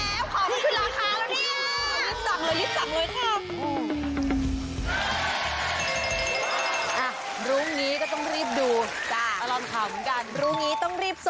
ขอแสดงความยินดีกับผู้ที่โชคดีได้รับมอเตอร์ไซค์ตั้งวันนี้ด้วยนะครับ